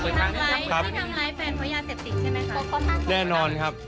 ไม่ทำร้ายแฟนเพราะยาเสพติกใช่ไหมครับ